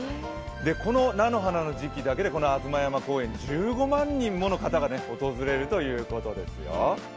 この菜の花の時期だけで吾妻山公園、１５万人の方々が訪れるということですよ。